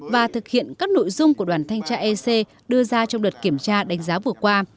và thực hiện các nội dung của đoàn thanh tra ec đưa ra trong đợt kiểm tra đánh giá vừa qua